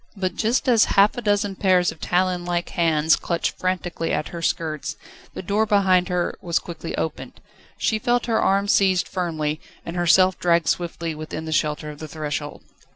But just as half a dozen pairs of talon like hands clutched frantically at her skirts, the door behind her was quickly opened. She felt her arm seized firmly, and herself dragged swiftly within the shelter of the threshold.